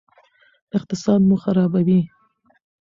اقتصاد مو خرابوي.